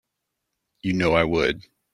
You know I would.